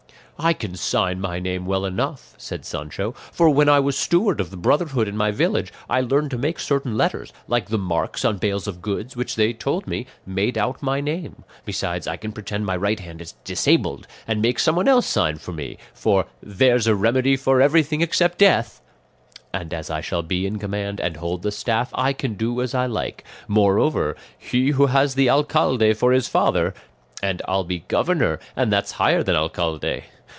"I can sign my name well enough," said Sancho, "for when I was steward of the brotherhood in my village I learned to make certain letters, like the marks on bales of goods, which they told me made out my name. Besides I can pretend my right hand is disabled and make some one else sign for me, for 'there's a remedy for everything except death;' and as I shall be in command and hold the staff, I can do as I like; moreover, 'he who has the alcalde for his father—,' and I'll be governor, and that's higher than alcalde.